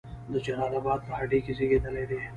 د جلال آباد په هډې کې زیږیدلی دی.